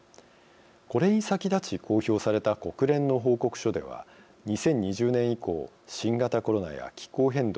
これに先立ち、公表された国連の報告書では２０２０年以降新型コロナや気候変動